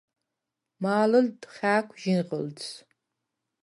მა̄ლჷლდდ ხა̄̈ქუ̂ ჟინღჷლდს: